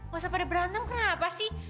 masa pada berantem kenapa sih